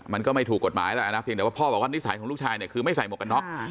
มันก็ไม่ถูกกฎหมายแล้วนะเพียงแต่ว่าพ่อบอกว่านิสัยของลูกชายเนี่ยคือไม่ใส่หมวกกันน็อก